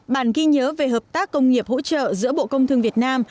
bản ghi nhớ về hợp tác công nghiệp hỗ trợ giữa bộ công thương việt nam